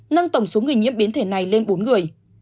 nâng tổng số người nhiễm biến thể này lên bốn người